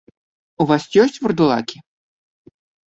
У вас ёсць вурдалакі?